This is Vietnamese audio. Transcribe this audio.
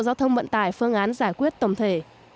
bộ giao thông bận tài phương án giải quyết tổng thể